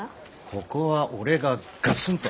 ここは俺がガツンと。